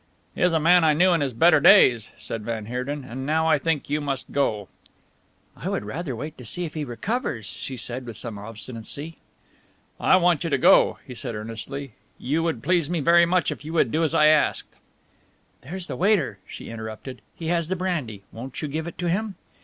"He is a man I knew in his better days," said van Heerden, "and now I think you must go." "I would rather wait to see if he recovers," she said with some obstinacy. "I want you to go," he said earnestly; "you would please me very much if you would do as I ask." "There's the waiter!" she interrupted, "he has the brandy. Won't you give it to him?"